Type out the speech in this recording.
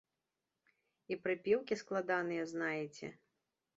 І прыпеўкі складныя знаеце.